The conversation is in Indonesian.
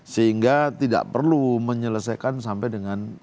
sehingga tidak perlu menyelesaikan sampai dengan